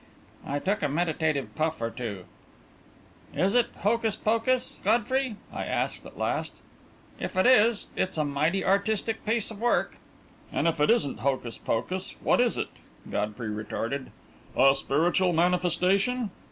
I took a meditative puff or two. "Is it hocus pocus, Godfrey?" I asked, at last. "If it is, it's a mighty artistic piece of work." "And if it isn't hocus pocus, what is it?" Godfrey retorted. "A spiritual manifestation?"